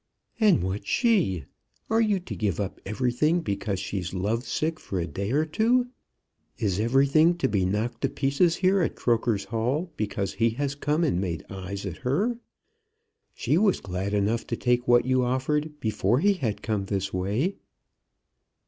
"And what's she? Are you to give up everything because she's love sick for a day or two? Is everything to be knocked to pieces here at Croker's Hall, because he has come and made eyes at her? She was glad enough to take what you offered before he had come this way."